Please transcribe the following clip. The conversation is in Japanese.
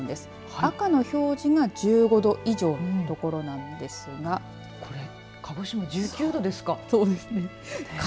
赤の表示が１５度以上の所なんですがこれ鹿児島１９度ですか。